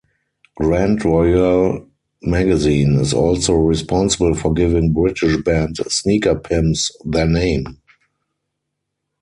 "Grand Royal Magazine" is also responsible for giving British band Sneaker Pimps their name.